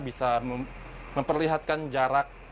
bisa memperlihatkan jalan untuk buruk